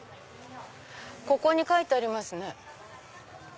ここに書いてありますね。